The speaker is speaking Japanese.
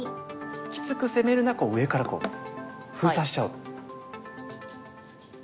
きつく攻めるなら上から封鎖しちゃう。